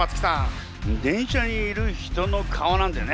電車にいる人の顔なんてね